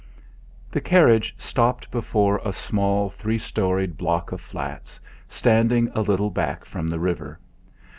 The carriage stopped before a small three storied block of flats, standing a little back from the river.